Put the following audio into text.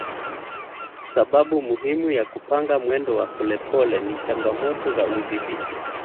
Sababu muhimu ya kupanga mwendo wa polepole ni changamoto za udhibiti.